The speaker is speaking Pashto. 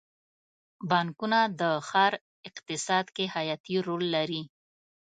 بانکونه د ښار اقتصاد کې حیاتي رول لري.